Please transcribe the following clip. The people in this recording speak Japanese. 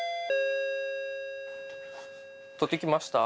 取ってきました。